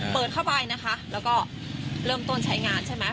เปิดเข้าไปนะคะแล้วก็เริ่มต้นใช้งานใช่ไหม